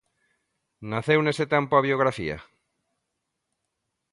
Naceu nese tempo a biografía?